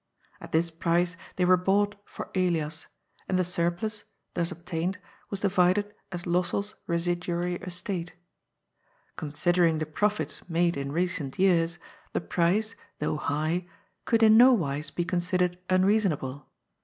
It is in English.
At this price they were bought for Elias, and the surplus, thus obtained, was divided as Lossell's residuary estate. Con sidering the profits made in recent years, the price, though high, could in no wise be considered unreasonable.